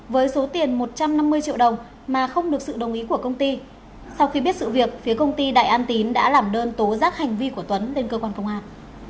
với số tiền một trăm năm mươi triệu đồng mà không được sự đồng ý của công ty sau khi biết sự việc phía công ty đại an tín đã làm đơn tố giác hành vi của tuấn lên cơ quan công an